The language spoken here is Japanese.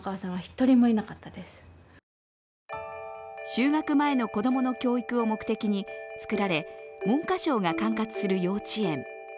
就学前の子供の教育を目的に作られ文科省が管轄する幼稚園。